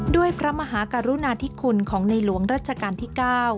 ด้วยพระมหากรุณาธิคุณของในหลวงรัชกาลที่๙